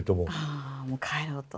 ああもう帰ろうと。